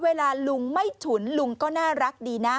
เวลาลุงไม่ฉุนลุงก็น่ารักดีนะ